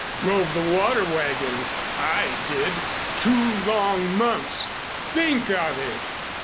Drove the water wagon, I did two long months. Think of it!"